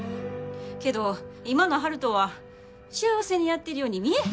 けど今の悠人は幸せにやってるように見えへん。